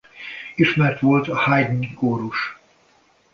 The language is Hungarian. Ismert volt a Haydn kórus.